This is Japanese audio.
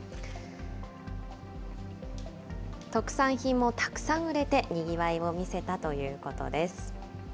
特産品もたくさん売れてにぎわいを見せたということです。